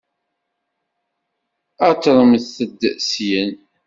Aṭremt-d syin!